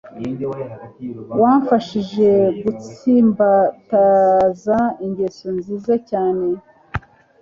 Wamfashije gutsimbataza ingeso nziza cyane,